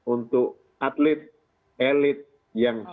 untuk atlet elit yang sudah siap untuk terjun ke multi event maupun single event